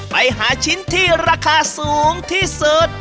ไปหาชิ้นที่ราคาสูงที่สุด